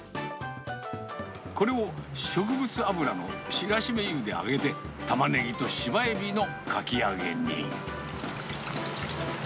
これを植物油の白絞油で揚げて、タマネギとシバエビのかき揚げに。